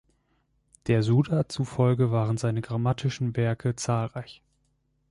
Der Suda zufolge waren seine grammatischen Werke zahlreich.